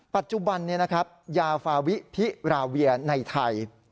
ปัจจุบันนี้ยาฟาวิพิราเวียในไทย